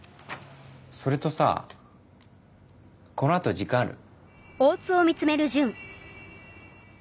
それとさこのあと時間ある？